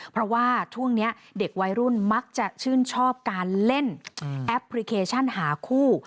เพราะว่าช่วงนี้เด็กวัยรุ่นมักจะชื่นชอบการเล่นแอปพลิเคชันหาคู่